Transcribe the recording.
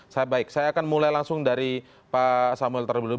saya akan mulai langsung dari pak samuel terbeluluh